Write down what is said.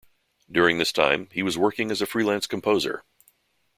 During this time, he was working as a freelance composer.